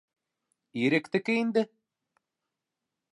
— Иректеке инде!